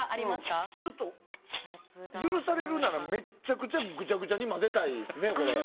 許されるならめっちゃくちゃぐちゃぐちゃに混ぜたいですね。